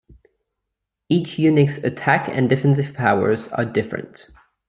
Each unit's attack and defensive powers are different.